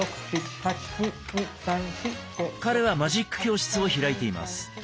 彼はマジック教室を開いています。